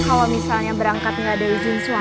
kalau misalnya berangkat nggak ada izin swab